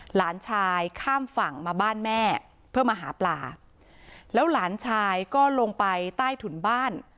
หลานชายข้ามฝั่งมาบ้านแม่เพื่อมาหาปลาแล้วหลานชายก็ลงไปใต้ถุนบ้าน